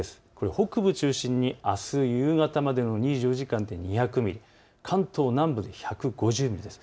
北部中心にあす夕方までの２４時間で２００ミリ、関東南部で１５０ミリです。